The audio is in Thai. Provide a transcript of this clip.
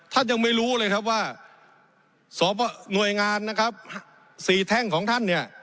ท่านยังไม่รู้เลยครับว่าหน่วยงานนะครับ๔แท่งของท่านเนี่ย